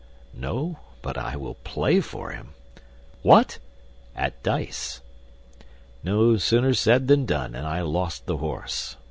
'No; but I will play for him.' 'What?' 'At dice.' No sooner said than done, and I lost the horse.